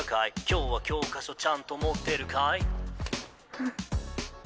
今日は教科書ちゃんと持ってるかい？